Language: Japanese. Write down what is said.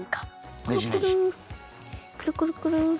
くるくるくる。